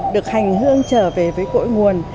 được hành hương trở về với cội nguồn